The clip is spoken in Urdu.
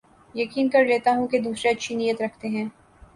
یقین کر لیتا ہوں کے دوسرے اچھی نیت رکھتے ہیں